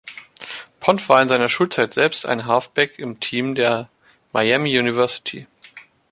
Pont war in seiner Schulzeit selbst ein Halfback im Team der Miami University.